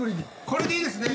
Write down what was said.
これでいいですね？